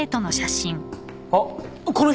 あっこの人！